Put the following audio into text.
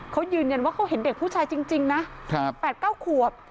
เขายืนอย่างว่าเขาเห็นเด็กผู้ชายจริงจริงนะครับแปดเก้าขวบ